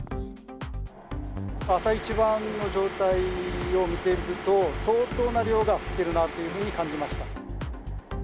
朝一番の状態を見ていると、相当な量が降ってるなというふうに感じました。